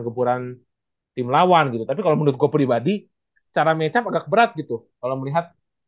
dua matchup pertama dulu ya